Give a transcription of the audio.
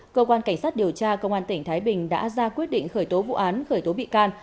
cơ quan cảnh sát điều tra công an tỉnh thái bình đã ra quyết định khởi tố vụ án khởi tố bị can